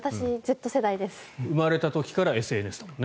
生まれた時からＳＮＳ。